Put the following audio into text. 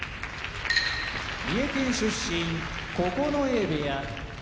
三重県出身九重部屋